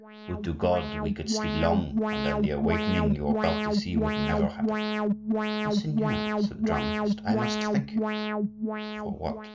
"Would to God we could sleep long, and then the awakening you are about to see would never happen." "Monseigneur," said the dramatist, "I must thank you—" "For what?"